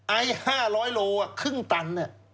ไอ้๕๐๐โลครึ่งตัน